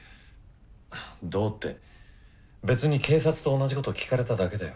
どうって別に警察と同じこと聞かれただけだよ。